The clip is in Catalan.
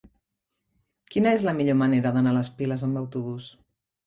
Quina és la millor manera d'anar a les Piles amb autobús?